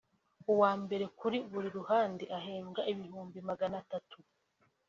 uwa mbere kuri buri ruhande ahembwa ibihumbi magana atatu